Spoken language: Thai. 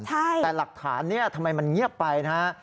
แต่หลักฐานเนี่ยทำไมมันเงียบไปนะฮะ